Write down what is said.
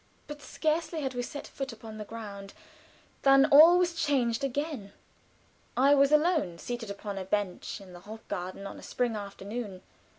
But scarcely had we set foot upon the ground, than all was changed again. I was alone, seated upon a bench in the Hofgarten, on a spring afternoon.